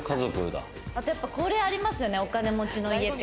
あとこれありますよね、お金持ちの家って。